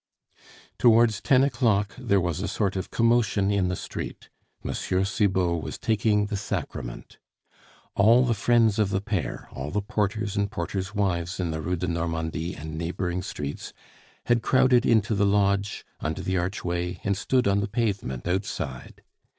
Towards ten o'clock there was a sort of commotion in the street; M. Cibot was taking the Sacrament. All the friends of the pair, all the porters and porters' wives in the Rue de Normandie and neighboring streets, had crowded into the lodge, under the archway, and stood on the pavement outside.